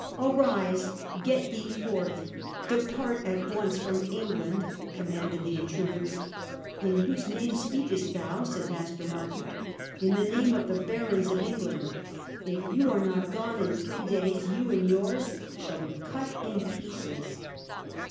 " Arise, get thee forth ! Depart at once from England !" commanded the intruders. " In whose name speakest thou ?" asked Master Martin. " In the name of the Barons of England. If you are not gone in three days, you and yours shall be cut in pieces."